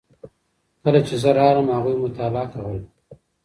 کله چې زه راغلم هغوی مطالعه کوله.